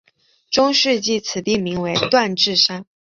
中世纪此地名为锻冶山。